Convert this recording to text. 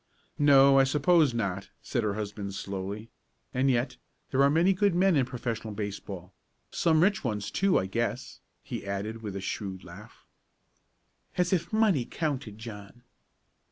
"No, I suppose not," said her husband slowly. "And yet there are many good men in professional baseball some rich ones too, I guess," he added with a shrewd laugh. "As if money counted, John!"